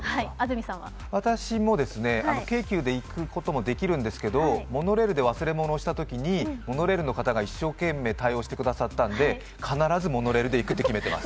私も、京急で行くこともできるんですけれどもモノレールで忘れ物したときにモノレールの方が一生懸命対応してくださったんで必ずモノレールでいくことにしています。